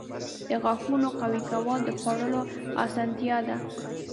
• د غاښونو قوي کول د خوړلو اسانتیا ده.